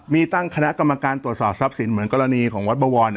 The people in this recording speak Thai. มีตั้งคณะกรรมการตรวจสอบทรัพย์สินเหมือนกรณีของวัดบวร